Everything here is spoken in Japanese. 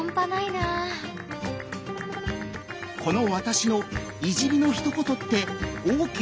この「わたし」のいじりのひと言ってＯＫ？